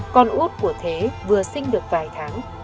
con út của thế vừa sinh được vài tháng